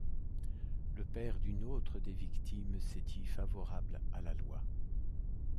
Le père d'une autre des victimes s'est dit favorable à la loi.